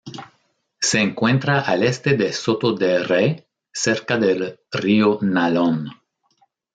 Se encuentra al este de Soto de Rey cerca del río Nalón.